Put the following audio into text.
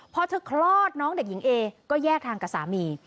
พอเธอคลอดน้องเด็กหญิงเอก็แยกทางกับสามี